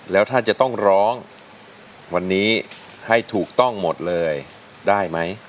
แล้วถ้าจะต้องร้องวันนี้ให้ถูกต้องหมดเลยได้ไหม